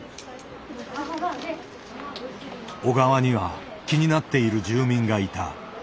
小川には気になっている住民がいた。